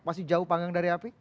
masih jauh panggang dari api